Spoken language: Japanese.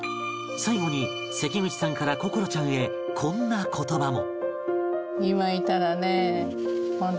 最後に関口さんから心愛ちゃんへこんな言葉も